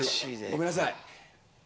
ごめんなさい。